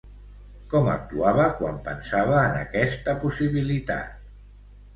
Com actuava quan pensava en aquesta possibilitat?